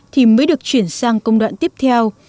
thì mới được chuyển sang công đoạn tiếp theo